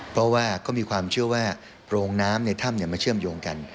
เพราะว่าก็มีความเชื่อว่าโรงน้ำในถ้ำมาเชื่อมโยงกัน